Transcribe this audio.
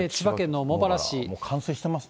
冠水してますね。